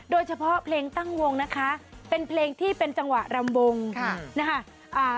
โดยเฉพาะเพลงตั้งวงนะคะเป็นเพลงที่เป็นจังหวะรำวงค่ะนะคะ